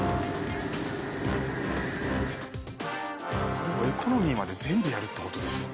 これをエコノミーまで全部やるって事ですよね？